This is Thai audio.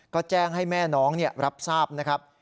ก็แจ้งให้แม่น้องรับทราบนะครับ